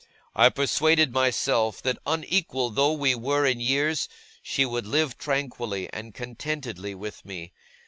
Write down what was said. I persuaded myself that, unequal though we were in years, she would live tranquilly and contentedly with me.